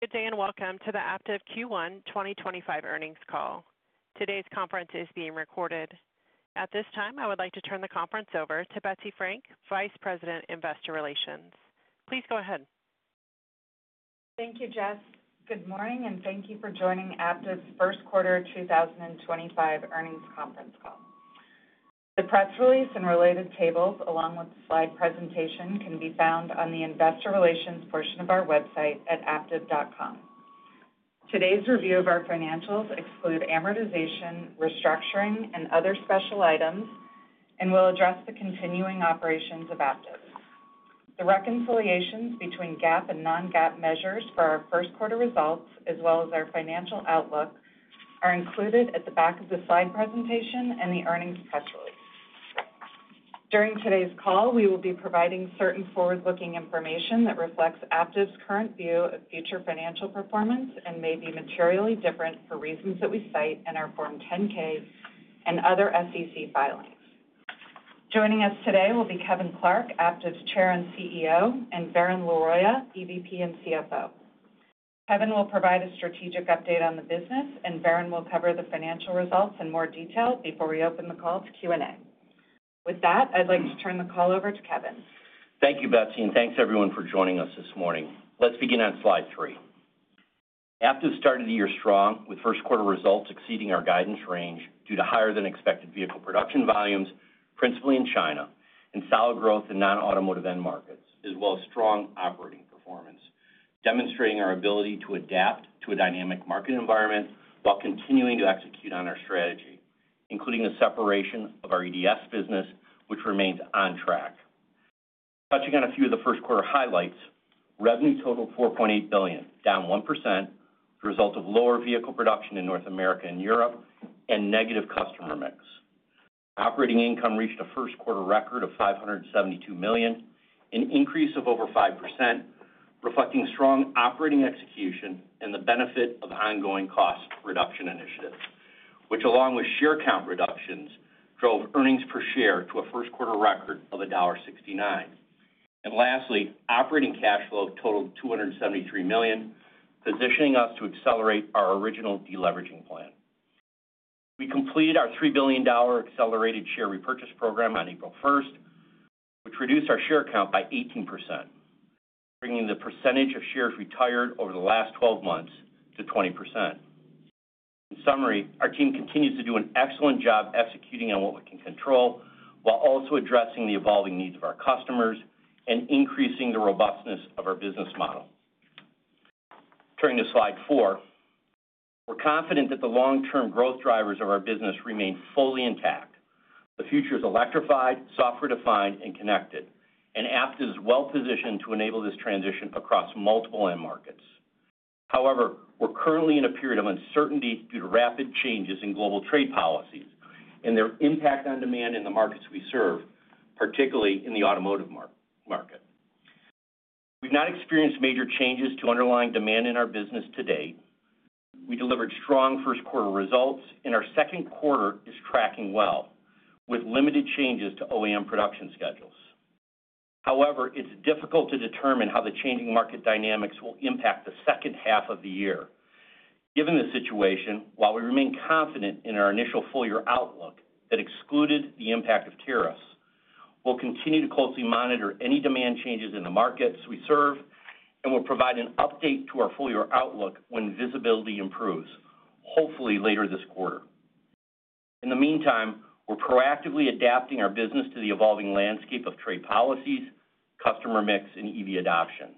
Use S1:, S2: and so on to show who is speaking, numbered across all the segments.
S1: Good day and welcome to the Aptiv Q1 2025 Earnings Call. Today's conference is being recorded. At this time, I would like to turn the conference over to Betsy Frank, Vice President, Investor Relations. Please go ahead.
S2: Thank you, Jess. Good morning, and thank you for joining Aptiv's First Quarter 2025 Earnings Conference Call. The press release and related tables, along with the slide presentation, can be found on the Investor Relations portion of our website at aptiv.com. Today's review of our financials excludes amortization, restructuring, and other special items, and will address the continuing operations of Aptiv. The reconciliations between GAAP and non-GAAP measures for our first quarter results, as well as our financial outlook, are included at the back of the slide presentation and the earnings press release. During today's call, we will be providing certain forward-looking information that reflects Aptiv's current view of future financial performance and may be materially different for reasons that we cite in our Form 10-K and other SEC filings. Joining us today will be Kevin Clark, Aptiv's Chair and CEO, and Varun Laroyia, EVP and CFO. Kevin will provide a strategic update on the business, and Varun will cover the financial results in more detail before we open the call to Q&A. With that, I'd like to turn the call over to Kevin.
S3: Thank you, Betsy, and thanks, everyone, for joining us this morning. Let's begin on slide three. Aptiv started the year strong, with first quarter results exceeding our guidance range due to higher-than-expected vehicle production volumes, principally in China, and solid growth in non-automotive end markets, as well as strong operating performance, demonstrating our ability to adapt to a dynamic market environment while continuing to execute on our strategy, including the separation of our EDS business, which remains on track. Touching on a few of the first quarter highlights, revenue totaled $4.8 billion, down 1%, the result of lower vehicle production in North America and Europe and negative customer mix. Operating income reached a first quarter record of $572 million, an increase of over 5%, reflecting strong operating execution and the benefit of ongoing cost reduction initiatives, which, along with share count reductions, drove earnings per share to a first quarter record of $1.69. Lastly, operating cash flow totaled $273 million, positioning us to accelerate our original deleveraging plan. We completed our $3 billion accelerated share repurchase program on April 1st, which reduced our share count by 18%, bringing the percentage of shares retired over the last 12 months to 20%. In summary, our team continues to do an excellent job executing on what we can control while also addressing the evolving needs of our customers and increasing the robustness of our business model. Turning to slide four, we are confident that the long-term growth drivers of our business remain fully intact. The future is electrified, software-defined, and connected, and Aptiv is well-positioned to enable this transition across multiple end markets. However, we're currently in a period of uncertainty due to rapid changes in global trade policies and their impact on demand in the markets we serve, particularly in the automotive market. We've not experienced major changes to underlying demand in our business today. We delivered strong first quarter results, and our second quarter is tracking well, with limited changes to OEM production schedules. However, it's difficult to determine how the changing market dynamics will impact the second half of the year. Given this situation, while we remain confident in our initial full-year outlook that excluded the impact of tariffs, we'll continue to closely monitor any demand changes in the markets we serve and will provide an update to our full-year outlook when visibility improves, hopefully later this quarter. In the meantime, we're proactively adapting our business to the evolving landscape of trade policies, customer mix, and EV adoption.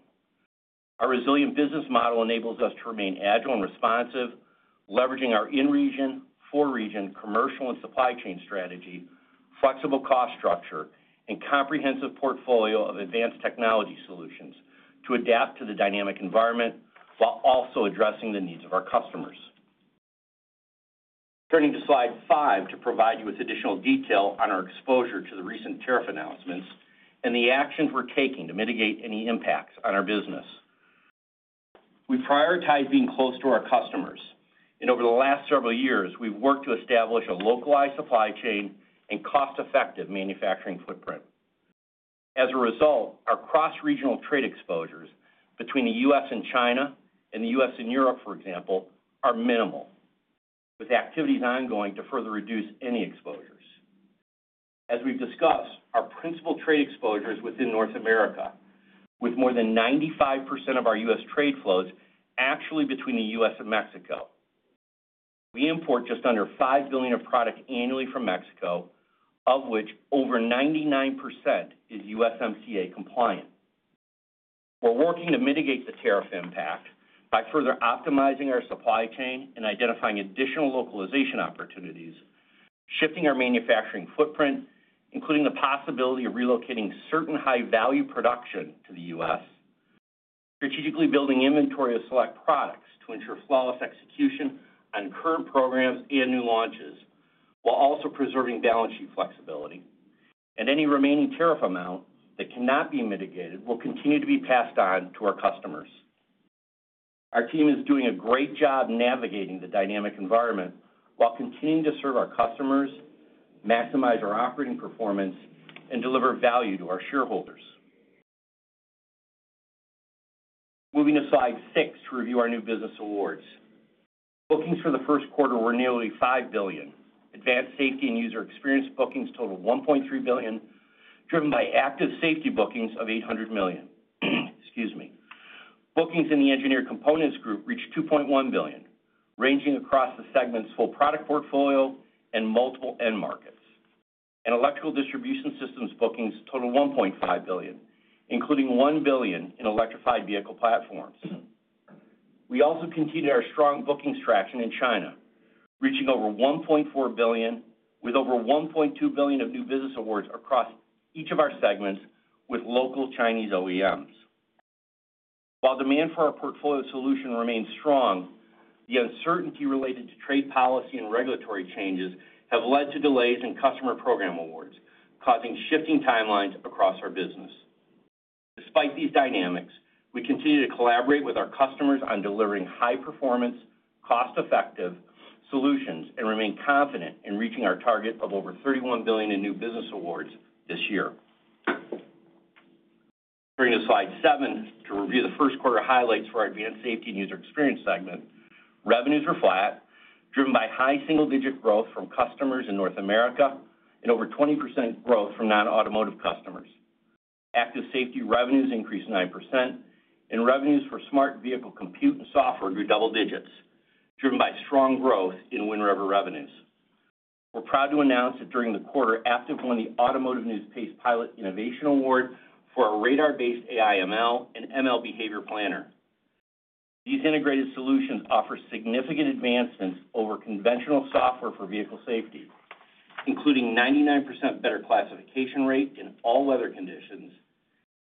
S3: Our resilient business model enables us to remain agile and responsive, leveraging our in-region, for-region, commercial, and supply chain strategy, flexible cost structure, and comprehensive portfolio of advanced technology solutions to adapt to the dynamic environment while also addressing the needs of our customers. Turning to slide five to provide you with additional detail on our exposure to the recent tariff announcements and the actions we're taking to mitigate any impacts on our business. We prioritize being close to our customers, and over the last several years, we've worked to establish a localized supply chain and cost-effective manufacturing footprint. As a result, our cross-regional trade exposures between the U.S. and China and the U.S. and Europe, for example, are minimal, with activities ongoing to further reduce any exposures. As we've discussed, our principal trade exposure is within North America, with more than 95% of our U.S. trade flows actually between the U.S. and Mexico. We import just under $5 billion of product annually from Mexico, of which over 99% is USMCA compliant. We are working to mitigate the tariff impact by further optimizing our supply chain and identifying additional localization opportunities, shifting our manufacturing footprint, including the possibility of relocating certain high-value production to the U.S., strategically building inventory of select products to ensure flawless execution on current programs and new launches, while also preserving balance sheet flexibility. Any remaining tariff amount that cannot be mitigated will continue to be passed on to our customers. Our team is doing a great job navigating the dynamic environment while continuing to serve our customers, maximize our operating performance, and deliver value to our shareholders. Moving to slide six to review our new business awards. Bookings for the first quarter were nearly $5 billion. Advanced Safety and User Experience bookings totaled $1.3 billion, driven by Active Safety bookings of $800 million. Excuse me. Bookings in the Engineered Components Group reached $2.1 billion, ranging across the segment's full product portfolio and multiple end markets. Electrical Distribution Systems bookings totaled $1.5 billion, including $1 billion in electrified vehicle platforms. We also continued our strong bookings traction in China, reaching over $1.4 billion, with over $1.2 billion of new business awards across each of our segments with local Chinese OEMs. While demand for our portfolio solution remains strong, the uncertainty related to trade policy and regulatory changes has led to delays in customer program awards, causing shifting timelines across our business. Despite these dynamics, we continue to collaborate with our customers on delivering high-performance, cost-effective solutions and remain confident in reaching our target of over $31 billion in new business awards this year. Turning to slide seven to review the first quarter highlights for our Advanced Safety and User Experience segment, revenues were flat, driven by high single-digit growth from customers in North America and over 20% growth from non-automotive customers. Active Safety revenues increased 9%, and revenues for Smart Vehicle Compute and software grew double digits, driven by strong growth in Wind River revenues. We're proud to announce that during the quarter, Aptiv won the Automotive News PACE Pilot Innovation Award for our radar-based AI/ML behavior planner. These integrated solutions offer significant advancements over conventional software for vehicle safety, including a 99% better classification rate in all weather conditions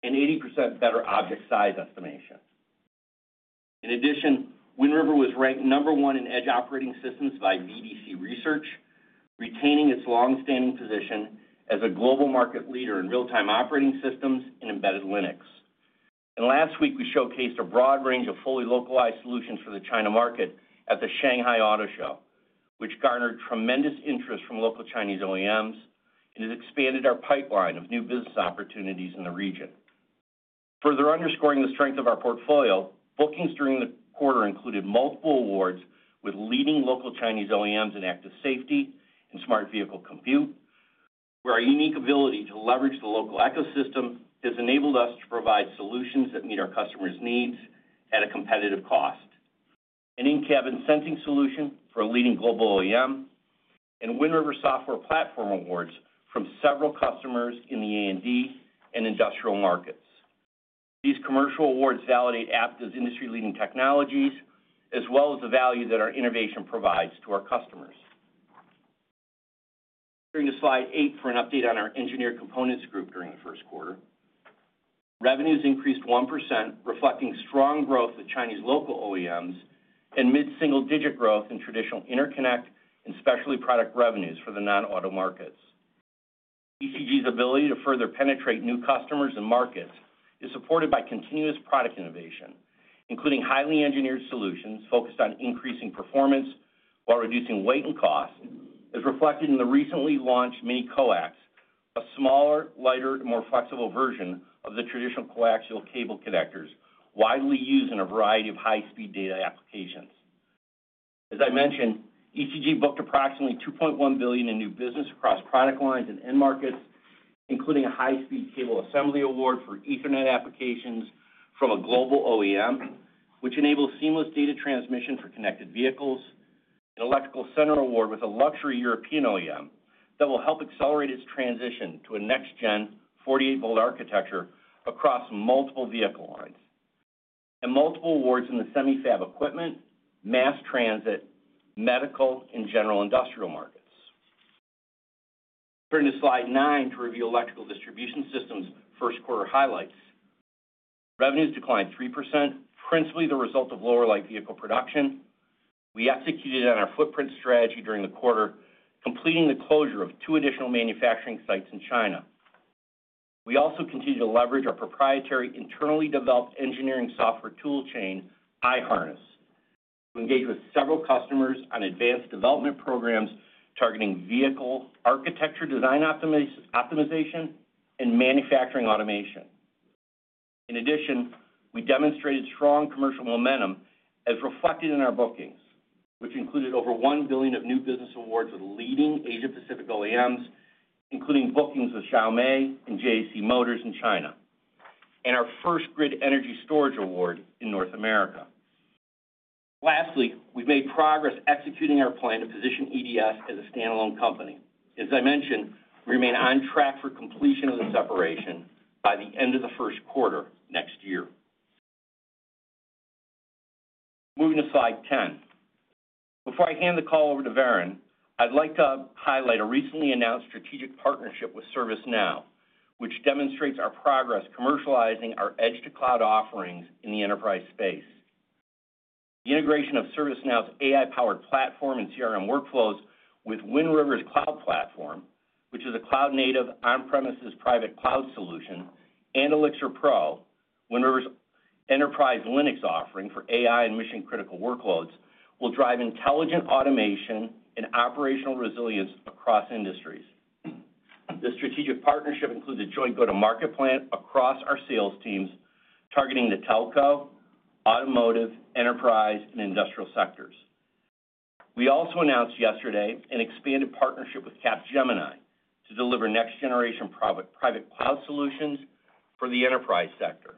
S3: and an 80% better object size estimation. In addition, Wind River was ranked number one in edge operating systems by VDC Research, retaining its long-standing position as a global market leader in real-time operating systems and embedded Linux. Last week, we showcased a broad range of fully localized solutions for the China market at the Shanghai Auto Show, which garnered tremendous interest from local Chinese OEMs and has expanded our pipeline of new business opportunities in the region. Further underscoring the strength of our portfolio, bookings during the quarter included multiple awards with leading local Chinese OEMs in Active Safety and Smart Vehicle Compute, where our unique ability to leverage the local ecosystem has enabled us to provide solutions that meet our customers' needs at a competitive cost, an in-cabin sensing solution for a leading global OEM, and Wind River software platform awards from several customers in the A&D and industrial markets. These commercial awards validate Aptiv's industry-leading technologies, as well as the value that our innovation provides to our customers. Turning to slide eight for an update on our Engineered Components Group during the first quarter, revenues increased 1%, reflecting strong growth with Chinese local OEMs and mid-single-digit growth in traditional interconnect and specialty product revenues for the non-auto markets. ECG's ability to further penetrate new customers and markets is supported by continuous product innovation, including highly engineered solutions focused on increasing performance while reducing weight and cost, as reflected in the recently launched Mini-Coax, a smaller, lighter, and more flexible version of the traditional coaxial cable connectors widely used in a variety of high-speed data applications. As I mentioned, ECG booked approximately $2.1 billion in new business across product lines and end markets, including a high-speed cable assembly award for Ethernet applications from a global OEM, which enables seamless data transmission for connected vehicles, an electrical center award with a luxury European OEM that will help accelerate its transition to a next-gen 48-volt architecture across multiple vehicle lines, and multiple awards in the semi-fab equipment, mass transit, medical, and general industrial markets. Turning to slide nine to review Electrical Distribution Systems' first quarter highlights. Revenues declined 3%, principally the result of lower light vehicle production. We executed on our footprint strategy during the quarter, completing the closure of two additional manufacturing sites in China. We also continue to leverage our proprietary internally developed engineering software tool chain, iHarness, to engage with several customers on advanced development programs targeting vehicle architecture design optimization and manufacturing automation. In addition, we demonstrated strong commercial momentum, as reflected in our bookings, which included over $1 billion of new business awards with leading Asia-Pacific OEMs, including bookings with Xiaomi and JAC Motors in China, and our first grid energy storage award in North America. Lastly, we've made progress executing our plan to position EDS as a standalone company. As I mentioned, we remain on track for completion of the separation by the end of the first quarter next year. Moving to slide 10. Before I hand the call over to Varun, I'd like to highlight a recently announced strategic partnership with ServiceNow, which demonstrates our progress commercializing our edge-to-cloud offerings in the enterprise space. The integration of ServiceNow's AI-powered platform and CRM workflows with Wind River's Cloud Platform, which is a cloud-native on-premises private cloud solution, and eLxr Pro, Wind River's enterprise Linux offering for AI and mission-critical workloads, will drive intelligent automation and operational resilience across industries. This strategic partnership includes a joint go-to-market plan across our sales teams targeting the telco, automotive, enterprise, and industrial sectors. We also announced yesterday an expanded partnership with Capgemini to deliver next-generation private cloud solutions for the enterprise sector.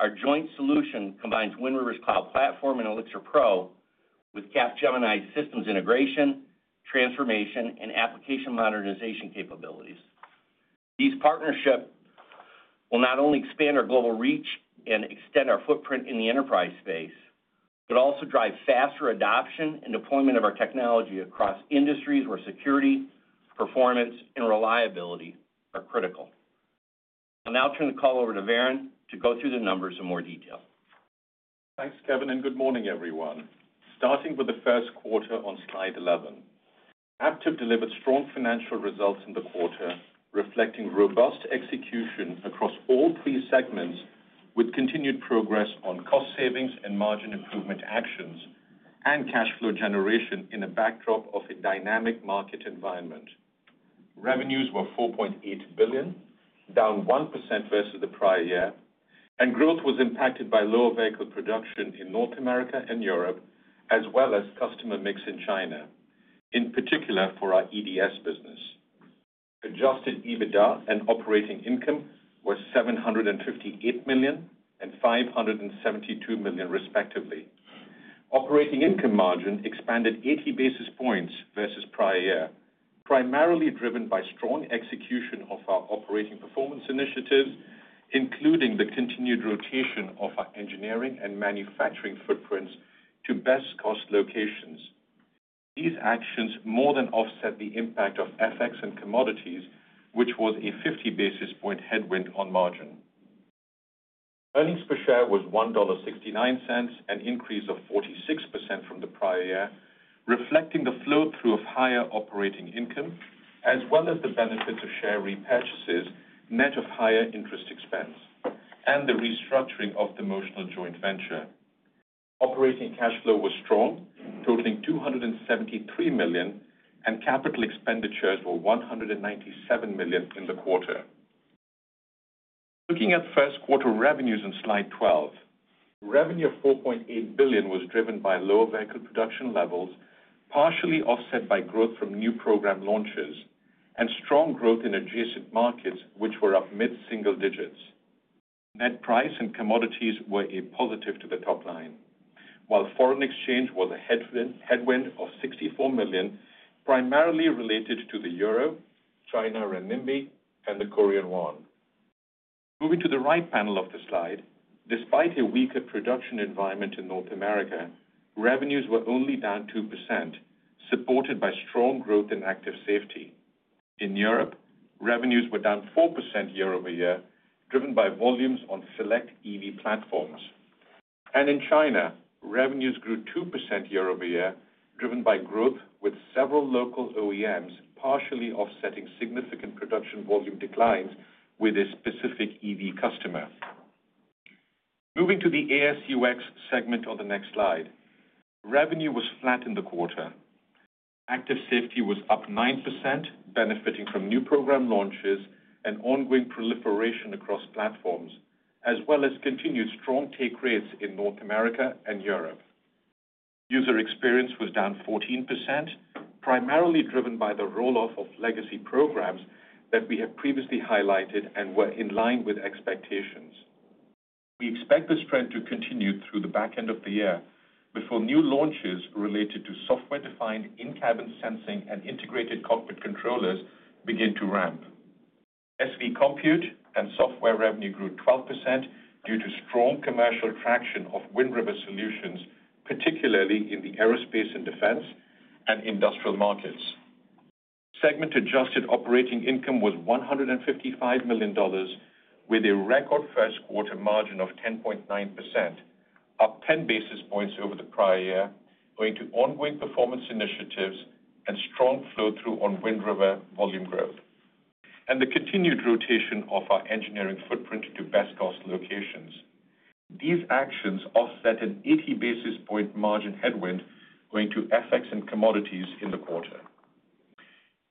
S3: Our joint solution combines Wind River's Cloud Platform and eLxr Pro with Capgemini's systems integration, transformation, and application modernization capabilities. These partnerships will not only expand our global reach and extend our footprint in the enterprise space, but also drive faster adoption and deployment of our technology across industries where security, performance, and reliability are critical. I'll now turn the call over to Varun to go through the numbers in more detail.
S4: Thanks, Kevin, and good morning, everyone. Starting with the first quarter on slide 11, Aptiv delivered strong financial results in the quarter, reflecting robust execution across all three segments, with continued progress on cost savings and margin improvement actions and cash flow generation in a backdrop of a dynamic market environment. Revenues were $4.8 billion, down 1% versus the prior year, and growth was impacted by lower vehicle production in North America and Europe, as well as customer mix in China, in particular for our EDS business. Adjusted EBITDA and operating income were $758 million and $572 million, respectively. Operating income margin expanded 80 basis points versus prior year, primarily driven by strong execution of our operating performance initiatives, including the continued rotation of our engineering and manufacturing footprints to best-cost locations. These actions more than offset the impact of FX and commodities, which was a 50 basis point headwind on margin. Earnings per share was $1.69, an increase of 46% from the prior year, reflecting the flow-through of higher operating income, as well as the benefits of share repurchases, net of higher interest expense, and the restructuring of the Motional joint venture. Operating cash flow was strong, totaling $273 million, and capital expenditures were $197 million in the quarter. Looking at first quarter revenues in slide 12, revenue of $4.8 billion was driven by lower vehicle production levels, partially offset by growth from new program launches, and strong growth in adjacent markets, which were up mid-single digits. Net price and commodities were a positive to the top line, while foreign exchange was a headwind of $64 million, primarily related to the euro, China renminbi, and the Korean won. Moving to the right panel of the slide, despite a weaker production environment in North America, revenues were only down 2%, supported by strong growth in active safety. In Europe, revenues were down 4% year-over-year, driven by volumes on select EV platforms. In China, revenues grew 2% year-over-year, driven by growth with several local OEMs partially offsetting significant production volume declines with a specific EV customer. Moving to the AS&UX segment on the next slide, revenue was flat in the quarter. Active safety was up 9%, benefiting from new program launches and ongoing proliferation across platforms, as well as continued strong take rates in North America and Europe. User Experience was down 14%, primarily driven by the roll off of legacy programs that we have previously highlighted and were in line with expectations. We expect this trend to continue through the back end of the year before new launches related to software-defined in-cabin sensing and integrated cockpit controllers begin to ramp. SV Compute and software revenue grew 12% due to strong commercial traction of Wind River solutions, particularly in the aerospace and defense and industrial markets. Segment-adjusted operating income was $155 million, with a record first quarter margin of 10.9%, up 10 basis points over the prior year, owing to ongoing performance initiatives and strong flow-through on Wind River volume growth and the continued rotation of our engineering footprint to best-cost locations. These actions offset an 80 basis point margin headwind owing to FX and commodities in the quarter.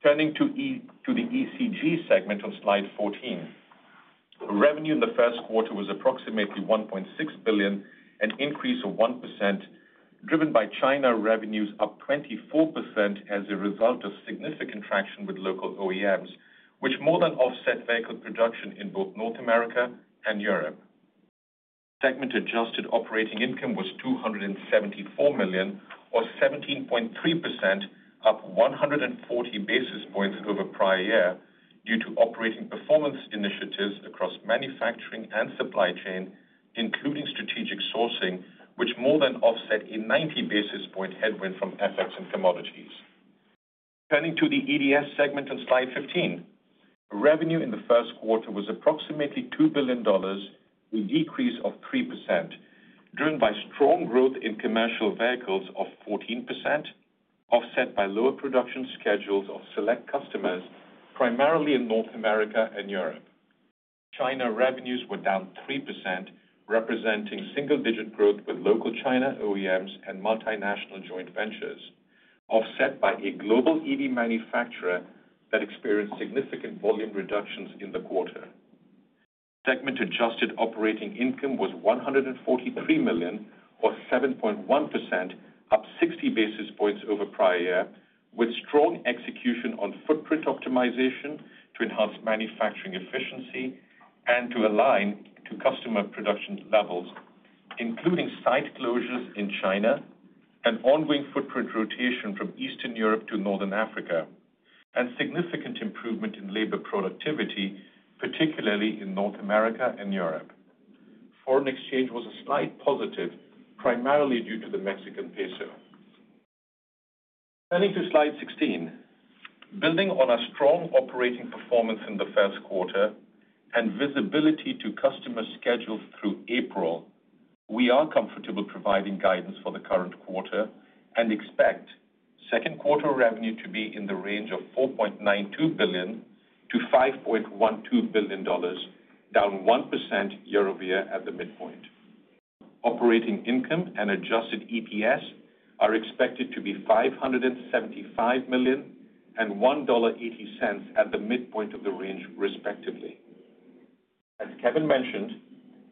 S4: Turning to the ECG segment on slide 14, revenue in the first quarter was approximately $1.6 billion, an increase of 1%, driven by China revenues up 24% as a result of significant traction with local OEMs, which more than offset vehicle production in both North America and Europe. Segment-adjusted operating income was $274 million, or 17.3%, up 140 basis points over prior year due to operating performance initiatives across manufacturing and supply chain, including strategic sourcing, which more than offset a 90 basis point headwind from FX and commodities. Turning to the EDS segment on slide 15, revenue in the first quarter was approximately $2 billion, a decrease of 3%, driven by strong growth in commercial vehicles of 14%, offset by lower production schedules of select customers, primarily in North America and Europe. China revenues were down 3%, representing single-digit growth with local China OEMs and multinational joint ventures, offset by a global EV manufacturer that experienced significant volume reductions in the quarter. Segment-adjusted operating income was $143 million, or 7.1%, up 60 basis points over prior year, with strong execution on footprint optimization to enhance manufacturing efficiency and to align to customer production levels, including site closures in China and ongoing footprint rotation from Eastern Europe to Northern Africa, and significant improvement in labor productivity, particularly in North America and Europe. Foreign exchange was a slight positive, primarily due to the Mexican peso. Turning to slide 16, building on our strong operating performance in the first quarter and visibility to customer schedules through April, we are comfortable providing guidance for the current quarter and expect second quarter revenue to be in the range of $4.92 billion-$5.12 billion, down 1% year-over-year at the midpoint. Operating income and adjusted EPS are expected to be $575 million and $1.80 at the midpoint of the range, respectively. As Kevin mentioned,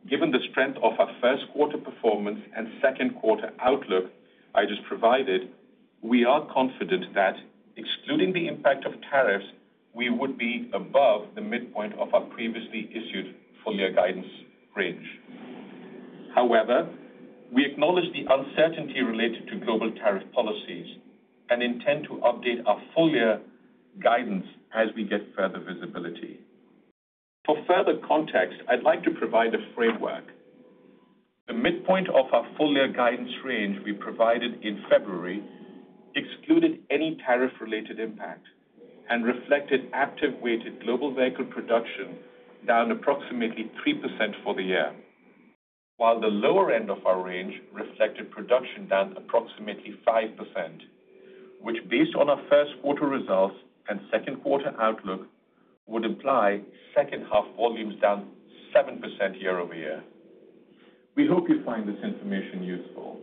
S4: given the strength of our first quarter performance and second quarter outlook I just provided, we are confident that, excluding the impact of tariffs, we would be above the midpoint of our previously issued full-year guidance range. However, we acknowledge the uncertainty related to global tariff policies and intend to update our full-year guidance as we get further visibility. For further context, I'd like to provide a framework. The midpoint of our full-year guidance range we provided in February excluded any tariff-related impact and reflected Aptiv-weighted global vehicle production down approximately 3% for the year, while the lower end of our range reflected production down approximately 5%, which, based on our first quarter results and second quarter outlook, would imply second-half volumes down 7% year-over-year. We hope you find this information useful.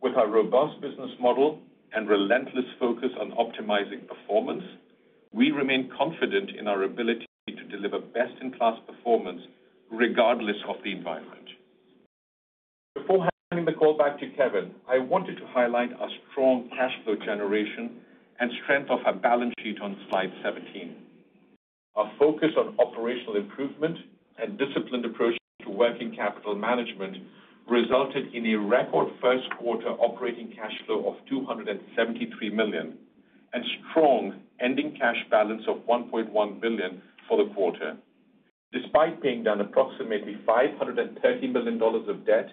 S4: With our robust business model and relentless focus on optimizing performance, we remain confident in our ability to deliver best-in-class performance regardless of the environment. Before handing the call back to Kevin, I wanted to highlight our strong cash flow generation and strength of our balance sheet on slide 17. Our focus on operational improvement and disciplined approach to working capital management resulted in a record first quarter operating cash flow of $273 million and strong ending cash balance of $1.1 billion for the quarter, despite paying down approximately $530 million of debt,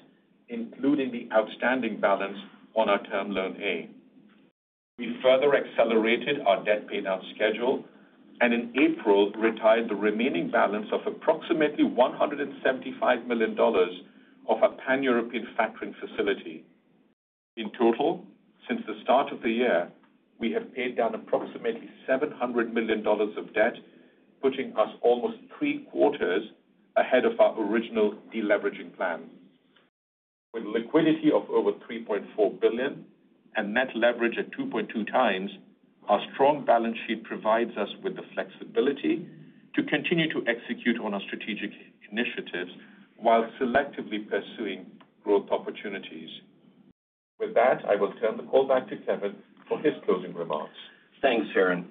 S4: including the outstanding balance on our Term Loan A. We further accelerated our debt paydown schedule and, in April, retired the remaining balance of approximately $175 million of our pan-European factoring facility. In total, since the start of the year, we have paid down approximately $700 million of debt, putting us almost three quarters ahead of our original deleveraging plan. With liquidity of over $3.4 billion and net leverage at 2.2x, our strong balance sheet provides us with the flexibility to continue to execute on our strategic initiatives while selectively pursuing growth opportunities. With that, I will turn the call back to Kevin for his closing remarks.
S3: Thanks, Varun.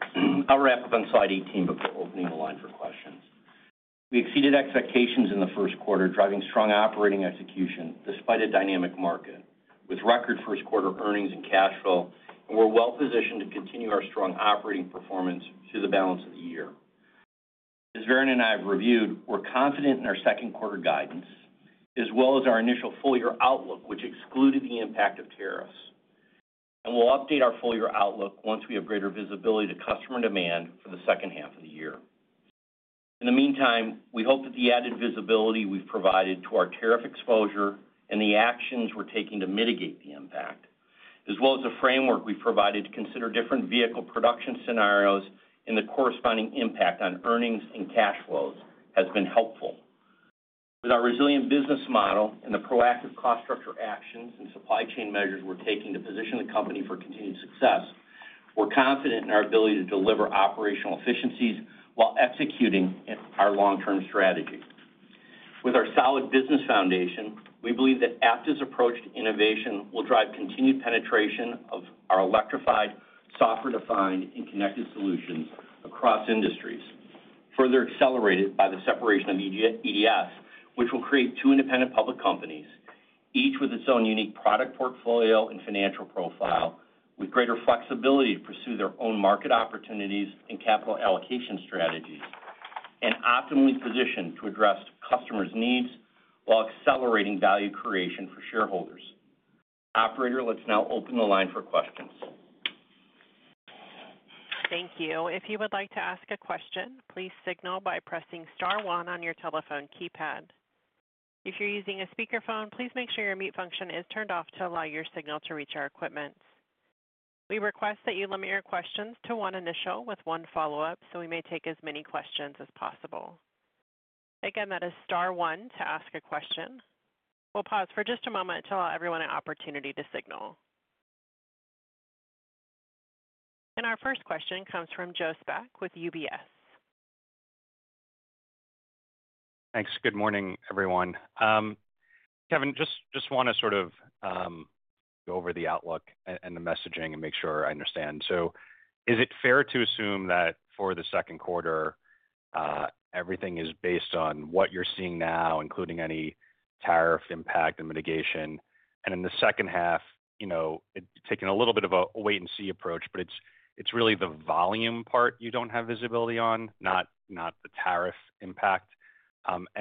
S3: I'll wrap up on slide 18 before opening the line for questions. We exceeded expectations in the first quarter, driving strong operating execution despite a dynamic market, with record first quarter earnings and cash flow, and we're well positioned to continue our strong operating performance through the balance of the year. As Varun and I have reviewed, we're confident in our second quarter guidance, as well as our initial full-year outlook, which excluded the impact of tariffs. We'll update our full-year outlook once we have greater visibility to customer demand for the second half of the year. In the meantime, we hope that the added visibility we've provided to our tariff exposure and the actions we're taking to mitigate the impact, as well as the framework we've provided to consider different vehicle production scenarios and the corresponding impact on earnings and cash flows, has been helpful. With our resilient business model and the proactive cost structure actions and supply chain measures we're taking to position the company for continued success, we're confident in our ability to deliver operational efficiencies while executing our long-term strategy. With our solid business foundation, we believe that Aptiv's approach to innovation will drive continued penetration of our electrified, software-defined, and connected solutions across industries, further accelerated by the separation of EDS, which will create two independent public companies, each with its own unique product portfolio and financial profile, with greater flexibility to pursue their own market opportunities and capital allocation strategies, and optimally positioned to address customers' needs while accelerating value creation for shareholders. Operator, let's now open the line for questions.
S1: Thank you. If you would like to ask a question, please signal by pressing star one on your telephone keypad. If you're using a speakerphone, please make sure your mute function is turned off to allow your signal to reach our equipment. We request that you limit your questions to one initial with one follow-up, so we may take as many questions as possible. Again, that is star one to ask a question. We'll pause for just a moment to allow everyone an opportunity to signal. Our first question comes from Joseph Spak with UBS.
S5: Thanks. Good morning, everyone. Kevin, just want to sort of go over the outlook and the messaging and make sure I understand. Is it fair to assume that for the second quarter, everything is based on what you're seeing now, including any tariff impact and mitigation? In the second half, taking a little bit of a wait-and-see approach, but it's really the volume part you do not have visibility on, not the tariff impact.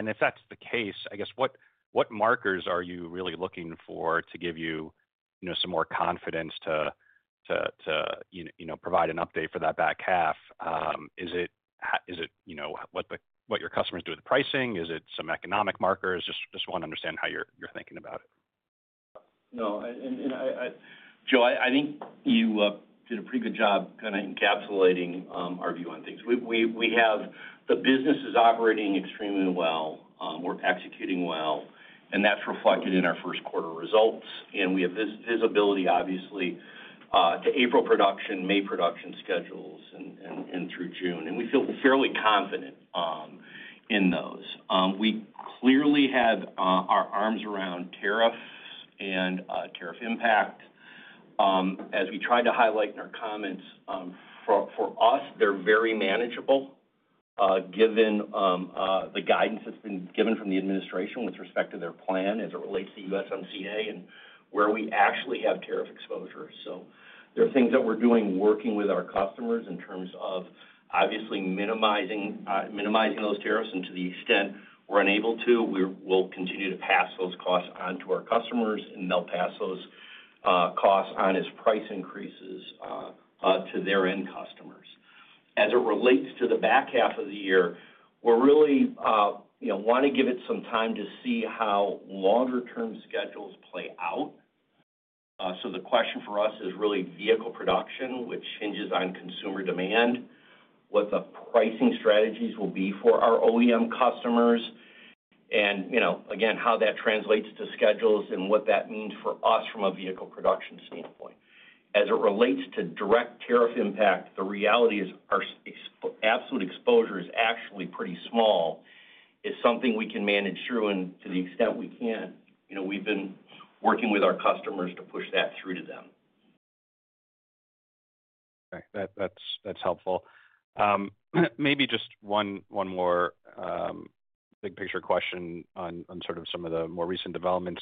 S5: If that's the case, I guess, what markers are you really looking for to give you some more confidence to provide an update for that back half? Is it what your customers do with the pricing? Is it some economic markers? Just want to understand how you're thinking about it.
S3: No. And Joe, I think you did a pretty good job kind of encapsulating our view on things. The business is operating extremely well. We're executing well, and that's reflected in our first quarter results. We have visibility, obviously, to April production, May production schedules, and through June. We feel fairly confident in those. We clearly have our arms around tariffs and tariff impact. As we tried to highlight in our comments, for us, they're very manageable, given the guidance that's been given from the administration with respect to their plan as it relates to USMCA and where we actually have tariff exposure. There are things that we're doing, working with our customers in terms of, obviously, minimizing those tariffs. To the extent we're unable to, we'll continue to pass those costs on to our customers, and they'll pass those costs on as price increases to their end customers. As it relates to the back half of the year, we really want to give it some time to see how longer-term schedules play out. The question for us is really vehicle production, which hinges on consumer demand, what the pricing strategies will be for our OEM customers, and, again, how that translates to schedules and what that means for us from a vehicle production standpoint. As it relates to direct tariff impact, the reality is our absolute exposure is actually pretty small. It's something we can manage through, and to the extent we can, we've been working with our customers to push that through to them.
S5: Okay. That's helpful. Maybe just one more big-picture question on sort of some of the more recent developments.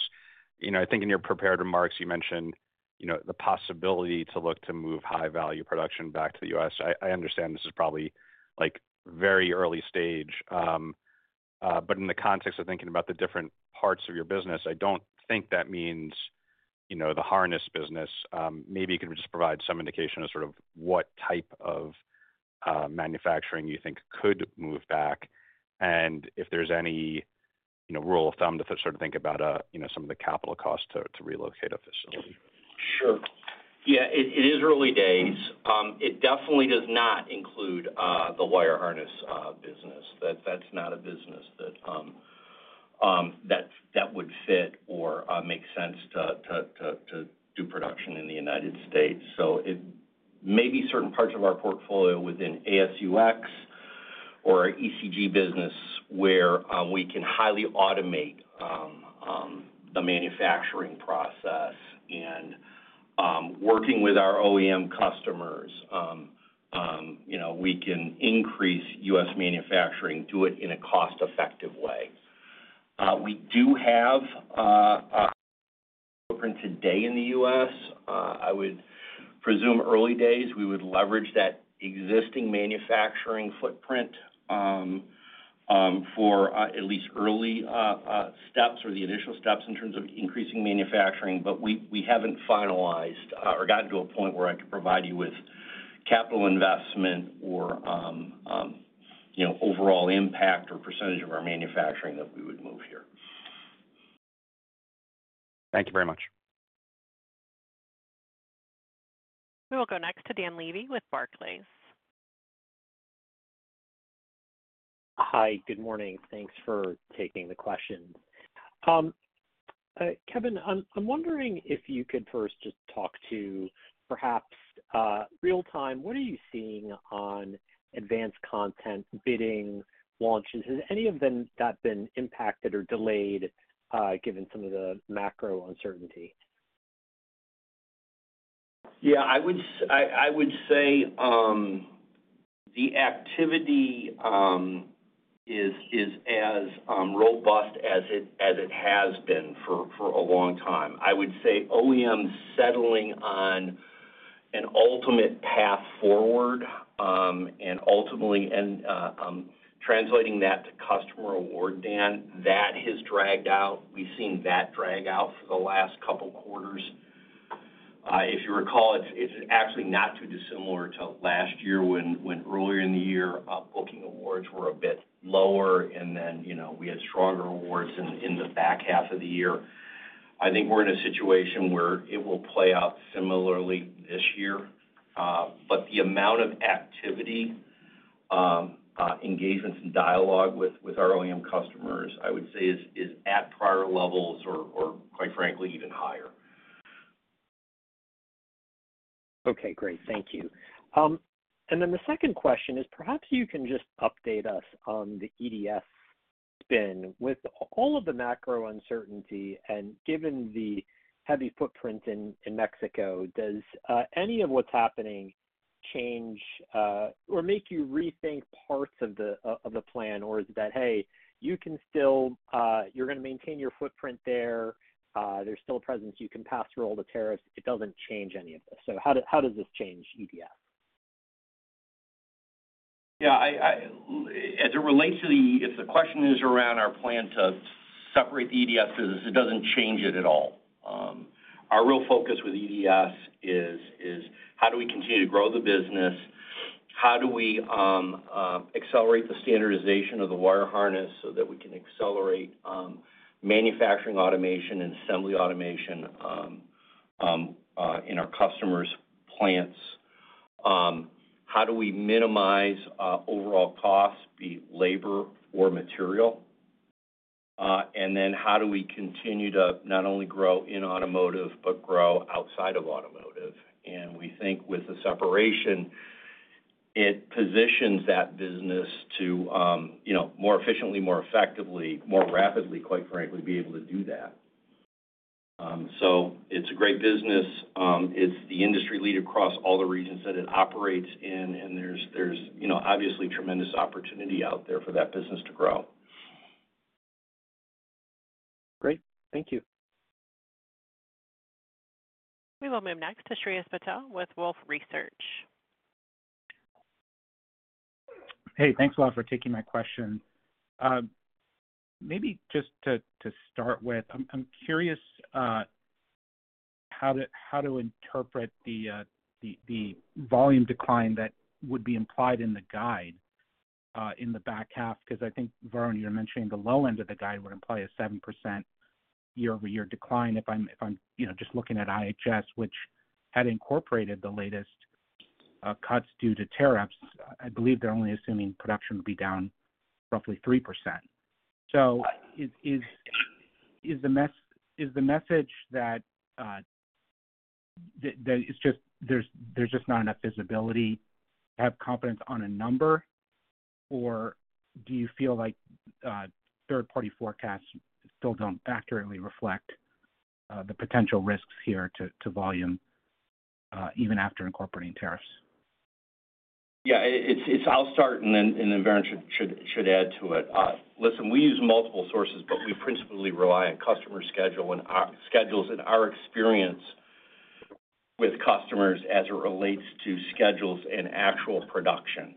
S5: I think in your prepared remarks, you mentioned the possibility to look to move high-value production back to the U.S. I understand this is probably very early stage. In the context of thinking about the different parts of your business, I do not think that means the harness business. Maybe you can just provide some indication of sort of what type of manufacturing you think could move back and if there is any rule of thumb to sort of think about some of the capital costs to relocate a facility.
S3: Sure. Yeah. It is early days. It definitely does not include the wire harness business. That is not a business that would fit or make sense to do production in the United States. Maybe certain parts of our portfolio within AS&UX or our ECG business, where we can highly automate the manufacturing process. Working with our OEM customers, we can increase U.S. manufacturing, do it in a cost-effective way. We do have a footprint today in the U.S. I would presume early days, we would leverage that existing manufacturing footprint for at least early steps or the initial steps in terms of increasing manufacturing. We have not finalized or gotten to a point where I could provide you with capital investment or overall impact or percentage of our manufacturing that we would move here.
S5: Thank you very much.
S1: We will go next to Dan Levy with Barclays.
S6: Hi. Good morning. Thanks for taking the questions. Kevin, I am wondering if you could first just talk to perhaps real-time, what are you seeing on advanced content bidding launches? Has any of that been impacted or delayed given some of the macro uncertainty?
S3: Yeah. I would say the activity is as robust as it has been for a long time. I would say OEMs settling on an ultimate path forward and ultimately translating that to customer award, Dan, that has dragged out. We've seen that drag out for the last couple of quarters. If you recall, it's actually not too dissimilar to last year when earlier in the year, booking awards were a bit lower, and then we had stronger awards in the back half of the year. I think we're in a situation where it will play out similarly this year. The amount of activity, engagements, and dialogue with our OEM customers, I would say, is at prior levels or, quite frankly, even higher.
S6: Okay. Great. Thank you. The second question is, perhaps you can just update us on the EDS spin. With all of the macro uncertainty and given the heavy footprint in Mexico, does any of what's happening change or make you rethink parts of the plan? Is it that, hey, you can still, you're going to maintain your footprint there, there's still a presence, you can pass through all the tariffs, it doesn't change any of this? How does this change EDS?
S3: Yeah. As it relates to the, if the question is around our plan to separate the EDS business, it doesn't change it at all. Our real focus with EDS is, how do we continue to grow the business? How do we accelerate the standardization of the wire harness so that we can accelerate manufacturing automation and assembly automation in our customers' plants? How do we minimize overall costs, be it labor or material? Then how do we continue to not only grow in automotive but grow outside of automotive? We think with the separation, it positions that business to more efficiently, more effectively, more rapidly, quite frankly, be able to do that. It is a great business. It is the industry lead across all the regions that it operates in. There is obviously tremendous opportunity out there for that business to grow.
S6: Great. Thank you.
S1: We will move next to Shreyas Patil with Wolfe Research.
S7: Hey, thanks a lot for taking my question. Maybe just to start with, I am curious how to interpret the volume decline that would be implied in the guide in the back half. I think, Varun, you were mentioning the low end of the guide would imply a 7% year-over-year decline. If I'm just looking at IHS, which had incorporated the latest cuts due to tariffs, I believe they're only assuming production would be down roughly 3%. Is the message that there's just not enough visibility to have confidence on a number? Do you feel like third-party forecasts still don't accurately reflect the potential risks here to volume even after incorporating tariffs?
S3: Yeah. I'll start, then Varun should add to it. Listen, we use multiple sources, but we principally rely on customer schedules. Our experience with customers as it relates to schedules and actual production.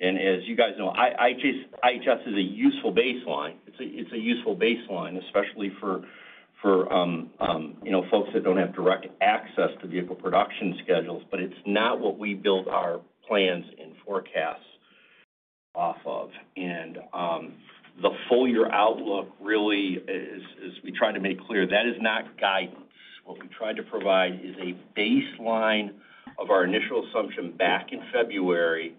S3: As you guys know, IHS is a useful baseline. It's a useful baseline, especially for folks that don't have direct access to vehicle production schedules. It's not what we build our plans and forecasts off of. The full-year outlook really, as we try to make clear, that is not guidance. What we try to provide is a baseline of our initial assumption back in February.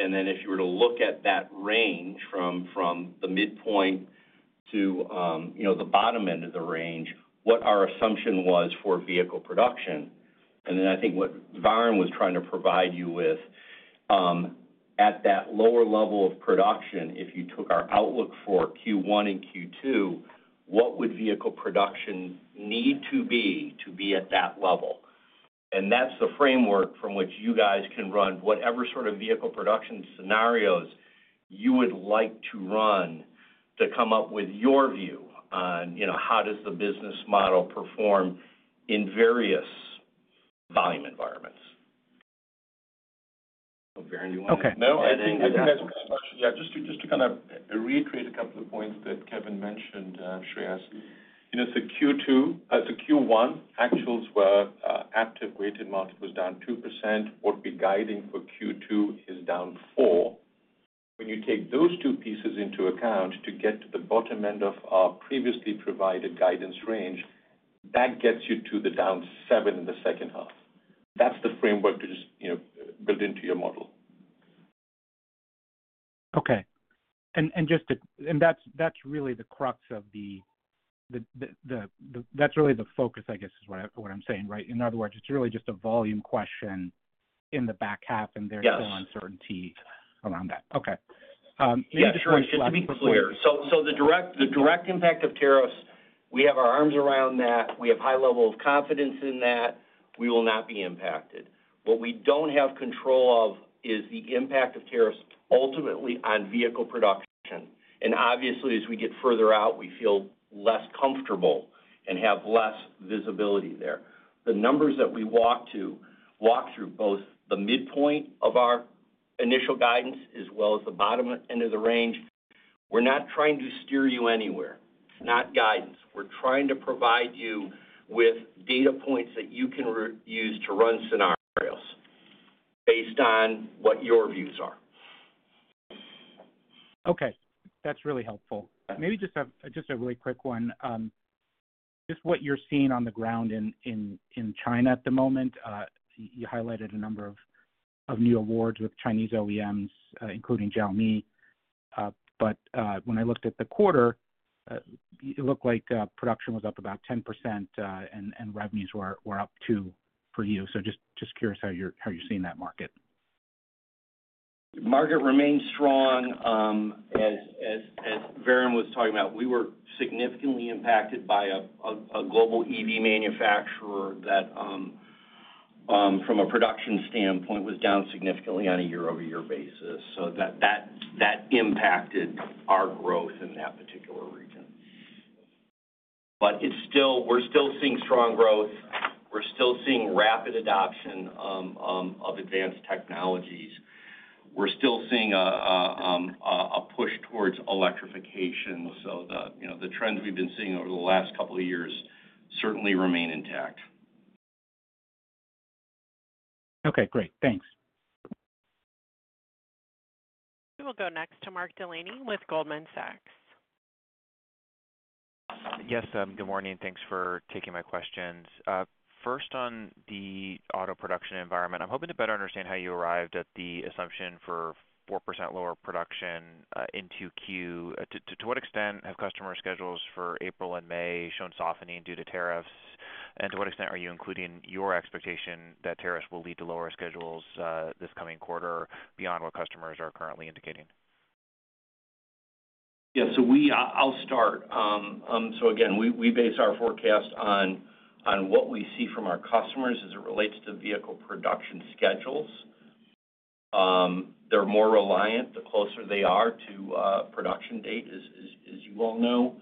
S3: If you were to look at that range from the midpoint to the bottom end of the range, what our assumption was for vehicle production. I think what Varun was trying to provide you with, at that lower level of production, if you took our outlook for Q1 and Q2, what would vehicle production need to be to be at that level? That is the framework from which you guys can run whatever sort of vehicle production scenarios you would like to run to come up with your view on how does the business model perform in various volume environments. Varun, do you want to?
S7: Okay.
S4: No, I think that's pretty much. Yeah. Just to kind of reiterate a couple of points that Kevin mentioned and Shreyas. Q1, actuals were Aptiv-weighted market was down 2%. What we're guiding for Q2 is down 4%. When you take those two pieces into account to get to the bottom end of our previously provided guidance range, that gets you to the down 7% in the second half. That's the framework to just build into your model.
S7: Okay. That's really the crux of the that's really the focus, I guess, is what I'm saying, right? In other words, it's really just a volume question in the back half, and there's still uncertainty around that. Okay. Yeah.
S3: Sure. Let me be clear. The direct impact of tariffs, we have our arms around that. We have high level of confidence in that. We will not be impacted. What we do not have control of is the impact of tariffs ultimately on vehicle production. Obviously, as we get further out, we feel less comfortable and have less visibility there. The numbers that we walk through, both the midpoint of our initial guidance as well as the bottom end of the range, we are not trying to steer you anywhere. Not guidance. We are trying to provide you with data points that you can use to run scenarios based on what your views are.
S7: Okay. That is really helpful. Maybe just a really quick one. Just what you are seeing on the ground in China at the moment. You highlighted a number of new awards with Chinese OEMs, including Xiaomi. When I looked at the quarter, it looked like production was up about 10%, and revenues were up 2% for you. Just curious how you are seeing that market.
S3: The market remains strong. As Varun was talking about, we were significantly impacted by a global EV manufacturer that, from a production standpoint, was down significantly on a year-over-year basis. That impacted our growth in that particular region. We are still seeing strong growth. We are still seeing rapid adoption of advanced technologies. We are still seeing a push towards electrification. The trends we have been seeing over the last couple of years certainly remain intact.
S7: Okay. Great. Thanks.
S1: We will go next to Mark Delaney with Goldman Sachs.
S8: Yes. Good morning. Thanks for taking my questions. First, on the auto production environment, I am hoping to better understand how you arrived at the assumption for 4% lower production in 2Q. To what extent have customer schedules for April and May shown softening due to tariffs? To what extent are you including your expectation that tariffs will lead to lower schedules this coming quarter beyond what customers are currently indicating?
S3: Yeah. I'll start. Again, we base our forecast on what we see from our customers as it relates to vehicle production schedules. They're more reliant the closer they are to production date, as you all know.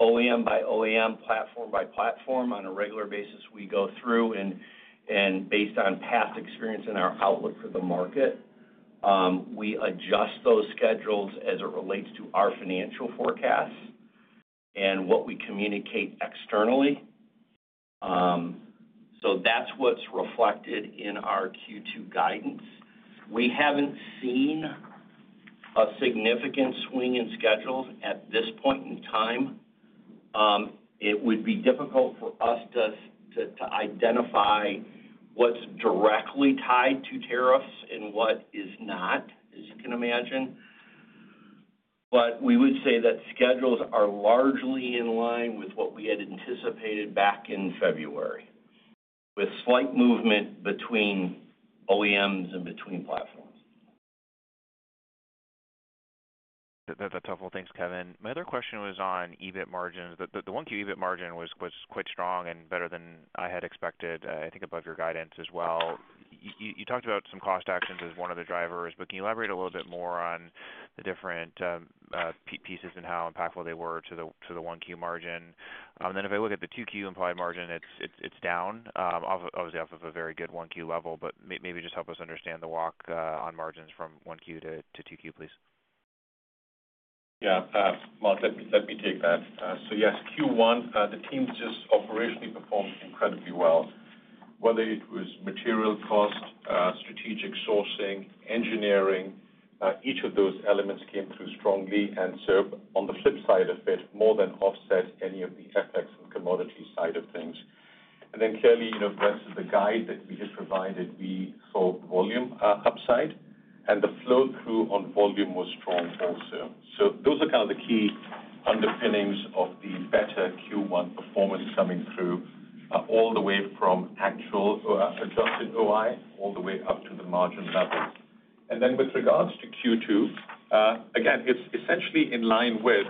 S3: OEM by OEM, platform by platform, on a regular basis, we go through. Based on past experience and our outlook for the market, we adjust those schedules as it relates to our financial forecasts and what we communicate externally. That's what's reflected in our Q2 guidance. We haven't seen a significant swing in schedules at this point in time. It would be difficult for us to identify what's directly tied to tariffs and what is not, as you can imagine. We would say that schedules are largely in line with what we had anticipated back in February, with slight movement between OEMs and between platforms.
S8: That's helpful. Thanks, Kevin. My other question was on EBIT margins. The 1Q EBIT margin was quite strong and better than I had expected, I think, above your guidance as well. You talked about some cost actions as one of the drivers. Can you elaborate a little bit more on the different pieces and how impactful they were to the 1Q margin? If I look at the 2Q implied margin, it's down, obviously, off of a very good 1Q level. Maybe just help us understand the walk on margins from 1Q to 2Q, please.
S4: Yeah. Let me take that. Yes, Q1, the teams just operationally performed incredibly well. Whether it was material cost, strategic sourcing, engineering, each of those elements came through strongly. On the flip side of it, more than offset any of the FX and commodity side of things. Clearly, versus the guide that we just provided, we saw volume upside. The flow-through on volume was strong also. Those are kind of the key underpinnings of the better Q1 performance coming through all the way from actual adjusted OI all the way up to the margin level. With regards to Q2, again, it is essentially in line with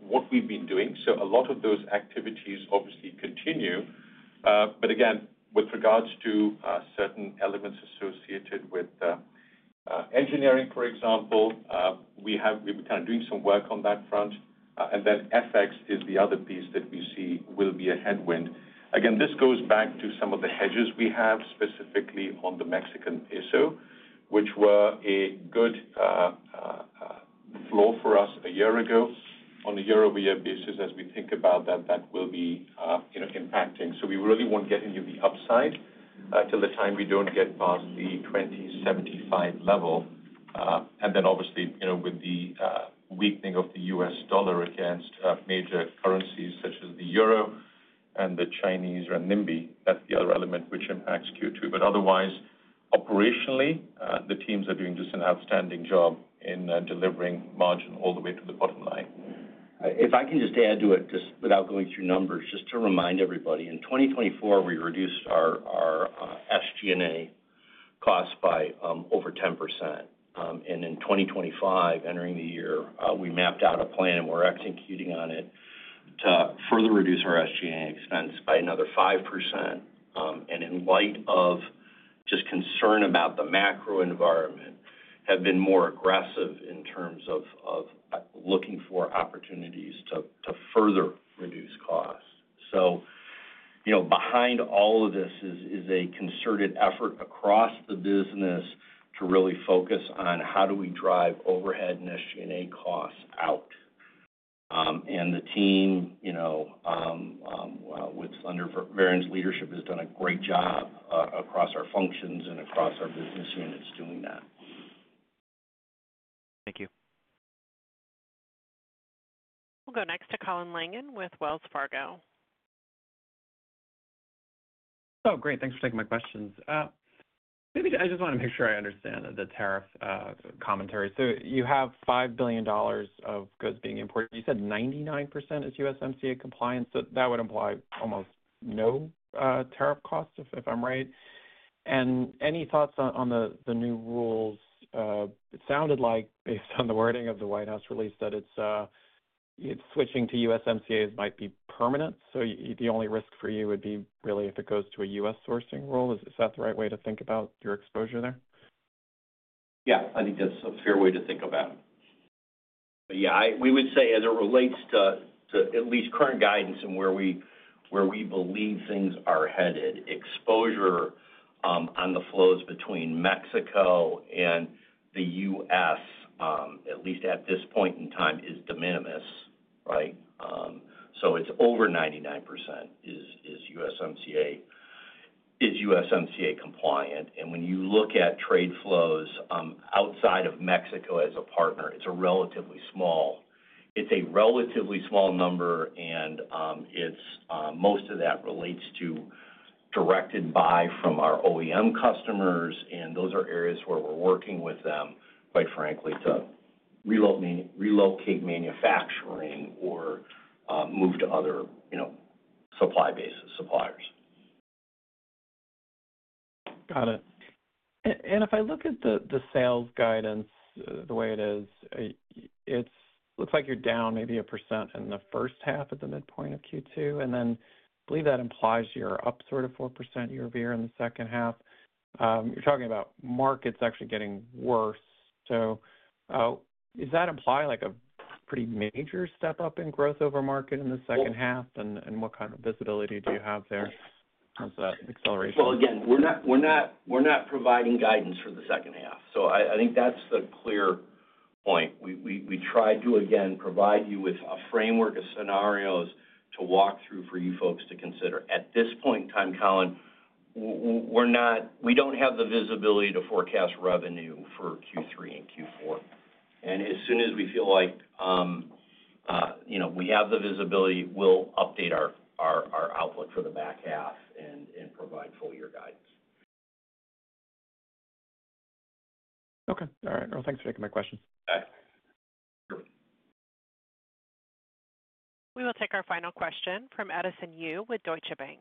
S4: what we have been doing. A lot of those activities obviously continue. Again, with regards to certain elements associated with engineering, for example, we have been kind of doing some work on that front. FX is the other piece that we see will be a headwind. Again, this goes back to some of the hedges we have specifically on the Mexican peso, which were a good floor for us a year ago. On a year-over-year basis, as we think about that, that will be impacting. We really will not get into the upside until the time we do not get past the 20.75 level. Obviously, with the weakening of the U.S. dollar against major currencies such as the euro and the Chinese renminbi, that is the other element which impacts Q2. Otherwise, operationally, the teams are doing just an outstanding job in delivering margin all the way to the bottom line.
S3: If I can just add to it, just without going through numbers, just to remind everybody, in 2024, we reduced our SG&A costs by over 10%. In 2025, entering the year, we mapped out a plan, and we're executing on it to further reduce our SG&A expense by another 5%. In light of just concern about the macro environment, we have been more aggressive in terms of looking for opportunities to further reduce costs. Behind all of this is a concerted effort across the business to really focus on how do we drive overhead and SG&A costs out. The team, with Varun's leadership, has done a great job across our functions and across our business units doing that.
S8: Thank you.
S1: We'll go next to Colin Langan with Wells Fargo.
S9: Oh, great. Thanks for taking my questions. Maybe I just want to make sure I understand the tariff commentary. You have $5 billion of goods being imported. You said 99% is USMCA compliant. That would imply almost no tariff costs, if I'm right. Any thoughts on the new rules? It sounded like, based on the wording of the White House release, that its switching to USMCA might be permanent. The only risk for you would be really if it goes to a U.S. sourcing role. Is that the right way to think about your exposure there?
S3: Yeah. I think that's a fair way to think about it. Yeah, we would say, as it relates to at least current guidance and where we believe things are headed, exposure on the flows between Mexico and the U.S., at least at this point in time, is de minimis, right? It's over 99% is USMCA compliant. When you look at trade flows outside of Mexico as a partner, it's a relatively small number. Most of that relates to directed buy from our OEM customers. Those are areas where we're working with them, quite frankly, to relocate manufacturing or move to other supply bases, suppliers.
S9: Got it. If I look at the sales guidance, the way it is, it looks like you're down maybe 1% in the first half at the midpoint of Q2. I believe that implies you're up sort of 4% year-over-year in the second half. You're talking about markets actually getting worse. Does that imply a pretty major step up in growth over market in the second half? What kind of visibility do you have there in terms of that acceleration?
S3: Again, we're not providing guidance for the second half. I think that's the clear point. We tried to, again, provide you with a framework of scenarios to walk through for you folks to consider. At this point in time, Colin, we do not have the visibility to forecast revenue for Q3 and Q4. As soon as we feel like we have the visibility, we will update our outlook for the back half and provide full-year guidance.
S9: Okay. All right. Thanks for taking my questions.
S1: We will take our final question from Edison Yu with Deutsche Bank.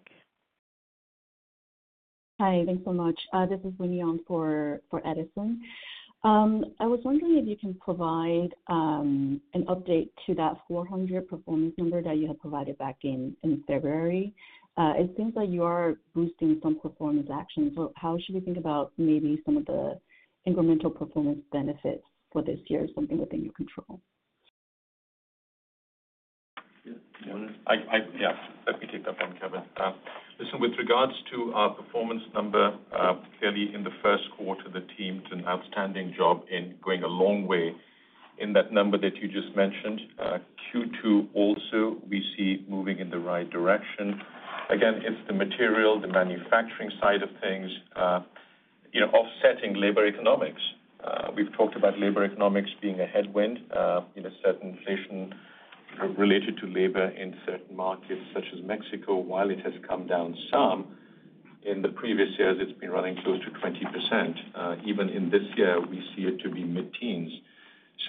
S10: Hi. Thanks so much. This is Wen Yuan for Edison. I was wondering if you can provide an update to that 400 performance number that you had provided back in February. It seems like you are boosting some performance actions. How should we think about maybe some of the incremental performance benefits for this year, something within your control?
S4: Yeah. Let me take that one, Kevin. Listen, with regards to our performance number, clearly in the first quarter, the team did an outstanding job in going a long way in that number that you just mentioned. Q2 also, we see moving in the right direction. Again, it is the material, the manufacturing side of things, offsetting labor economics. We have talked about labor economics being a headwind. Certain inflation related to labor in certain markets, such as Mexico, while it has come down some, in the previous years, it has been running close to 20%. Even in this year, we see it to be mid-teens.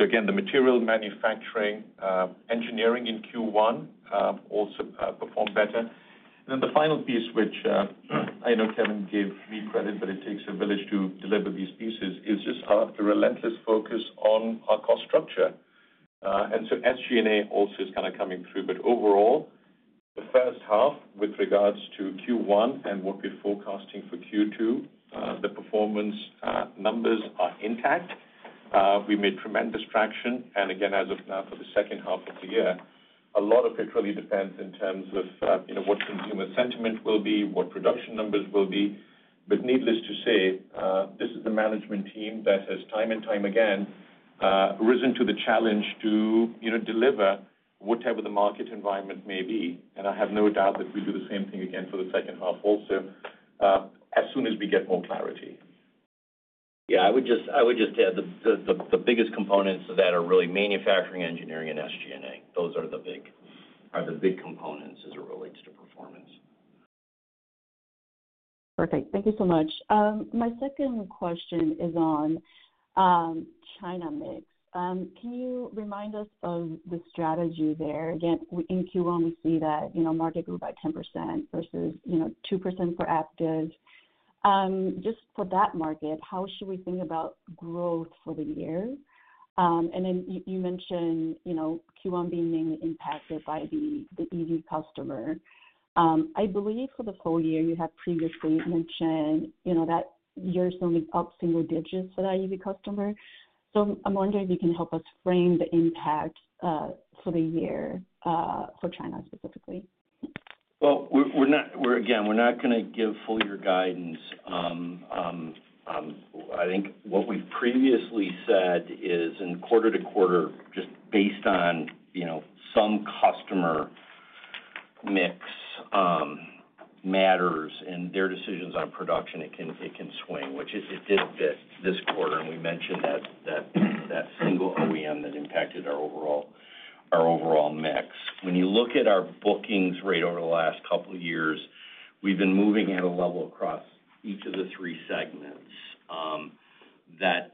S4: Again, the material manufacturing, engineering in Q1 also performed better. The final piece, which I know Kevin gave me credit, but it takes a village to deliver these pieces, is just the relentless focus on our cost structure. SG&A also is kind of coming through. Overall, the first half with regards to Q1 and what we're forecasting for Q2, the performance numbers are intact. We made tremendous traction. As of now for the second half of the year, a lot of it really depends in terms of what consumer sentiment will be, what production numbers will be. Needless to say, this is the management team that has time and time again risen to the challenge to deliver whatever the market environment may be. I have no doubt that we do the same thing again for the second half also, as soon as we get more clarity.
S3: Yeah. I would just add the biggest components of that are really manufacturing, engineering, and SG&A. Those are the big components as it relates to performance.
S10: Perfect. Thank you so much. My second question is on China mix. Can you remind us of the strategy there? Again, in Q1, we see that market grew by 10% versus 2% for Aptiv. Just for that market, how should we think about growth for the year? You mentioned Q1 being mainly impacted by the EV customer. I believe for the full year, you had previously mentioned that you're still up single digits for that EV customer. I'm wondering if you can help us frame the impact for the year for China specifically.
S3: We're not going to give full-year guidance. I think what we've previously said is, in quarter to quarter, just based on some customer mix matters and their decisions on production, it can swing, which it did this quarter. We mentioned that single OEM that impacted our overall mix. When you look at our bookings rate over the last couple of years, we've been moving at a level across each of the three segments that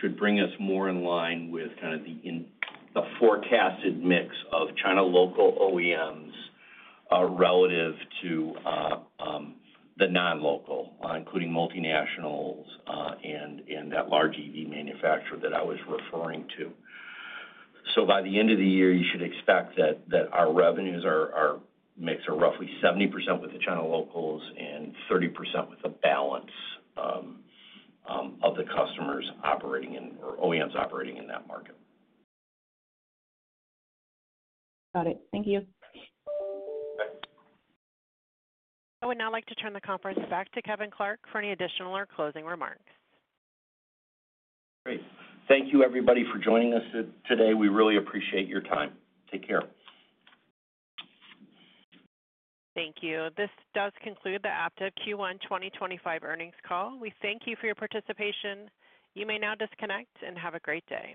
S3: should bring us more in line with kind of the forecasted mix of China local OEMs relative to the non-local, including multinationals and that large EV manufacturer that I was referring to. By the end of the year, you should expect that our revenues mix are roughly 70% with the China locals and 30% with the balance of the customers operating in or OEMs operating in that market.
S10: Got it. Thank you.
S1: I would now like to turn the conference back to Kevin Clark for any additional or closing remarks.
S3: Great. Thank you, everybody, for joining us today. We really appreciate your time. Take care.
S1: Thank you. This does conclude the Aptiv Q1 2025 earnings call. We thank you for your participation. You may now disconnect and have a great day.